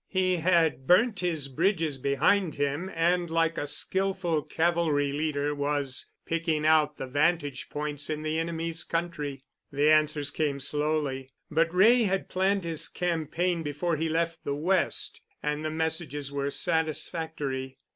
He had burnt his bridges behind him, and, like a skillful cavalry leader, was picking out the vantage points in the enemy's country. The answers came slowly, but Wray had planned his campaign before he left the West, and the messages were satisfactory.